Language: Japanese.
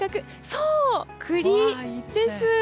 そう、栗です！